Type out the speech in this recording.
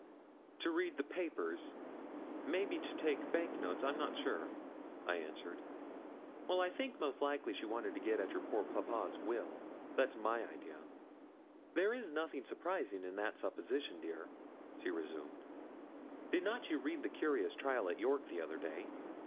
'To read the papers; maybe to take bank notes I'm not sure,' I answered. 'Well, I think most likely she wanted to get at your poor papa's will that's my idea. 'There is nothing surprising in the supposition, dear,' she resumed. 'Did not you read the curious trial at York, the other day?